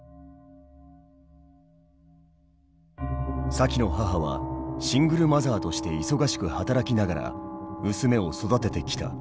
サキの母はシングルマザーとして忙しく働きながら娘を育ててきた。